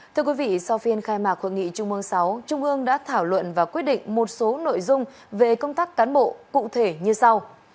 thưa quý vị sau phiên khai mạc hội nghị trung mương sáu trung ương đã thảo luận và quyết định một số nội dung về công tác cán bộ cụ thể như sau